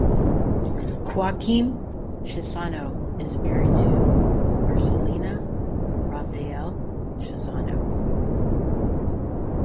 Joaquim Chissano is married to Marcelina Rafael Chissano.